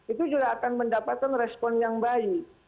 itu juga akan mendapatkan respon yang baik